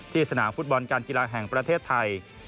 สนามฟุตบอลการกีฬาแห่งประเทศไทย